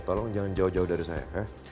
tolong jangan jauh jauh dari saya